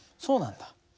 そうなんだ。